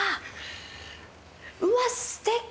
うわ、すてき！